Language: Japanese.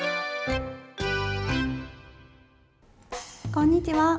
こんにちは。